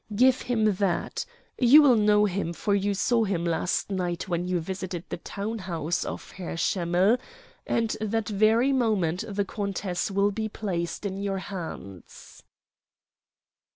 Give him that you will know him, for you saw him last night when you visited the town house of Herr Schemmell and that very moment the countess will be placed in your hands."